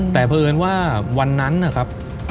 แต่เผอิญว่าวันนั้นนะครับ